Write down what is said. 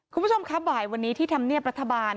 คุณผู้ชมครับบ่ายวันนี้ที่ธรรมเนียบรัฐบาล